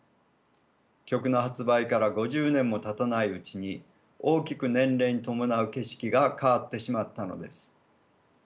曲の発売から５０年もたたないうちに大きく年齢に伴う景色が変わってしまったのです。